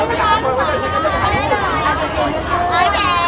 วันที่เลยต้องพาไป